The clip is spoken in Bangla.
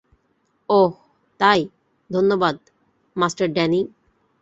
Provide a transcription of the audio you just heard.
ওহ, তাই, ধন্যবাদ, মাস্টার ড্যানি।